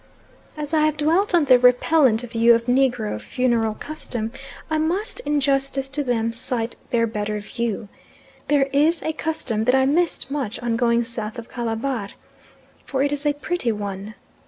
As I have dwelt on the repellent view of Negro funeral custom, I must in justice to them cite their better view. There is a custom that I missed much on going south of Calabar, for it is a pretty one.